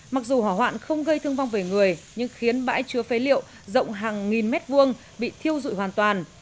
mặc dù hỏa hoạn không gây thương vong về người nhưng khiến bãi chứa phế liệu rộng hàng nghìn mét vuông bị thiêu dụi hoàn toàn